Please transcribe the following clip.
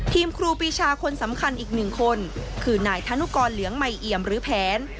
ครูปีชาคนสำคัญอีกหนึ่งคนคือนายธนุกรเหลืองใหม่เอี่ยมหรือแผน